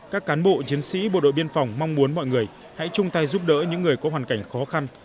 các cán bộ chiến sĩ bộ đội biên phòng mong muốn mọi người hãy chung tay giúp đỡ những người có hoàn cảnh khó khăn